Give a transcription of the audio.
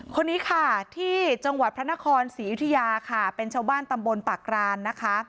คนนี้ค่ะที่จังหวัดพระนครศรีอยุธยาค่ะเป็นชาวบ้านตำบลปากรานนะคะ